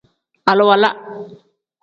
Aliwala.